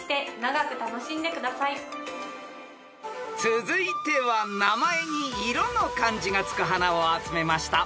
［続いては名前に色の漢字が付く花を集めました］